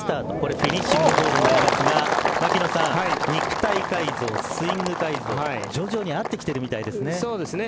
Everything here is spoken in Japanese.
フィニッシングホールになりますが肉体改造、スイング改造徐々に合ってきているみたいですね。